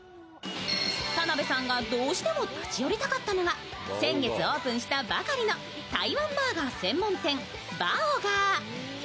田辺さんがどうしても立ち寄りたかったのは先月オープンしたばかりの台湾バーガー専門店、バオガー。